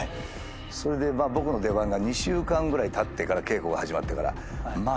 それで僕の出番が２週間ぐらいたって稽古が始まってから。